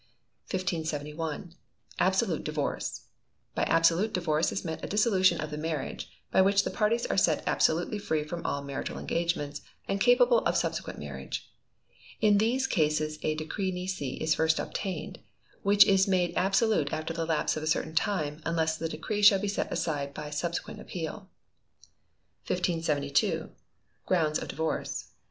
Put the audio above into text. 1571. Absolute Divorce. By absolute divorce is meant a dissolution of the marriage, by which the parties are set absolutely free from all marital engagements, and capable of subsequent marriage. In these cases a decree nisi is first obtained, which is made absolute after the lapse of a certain time, unless the decree should be set aside by subsequent appeal. 1572. Grounds of Divorce.